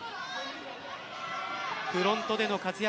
フロントでの活躍